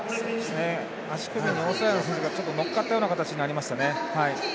足首にオーストラリアの選手が乗っかったような形になりましたね。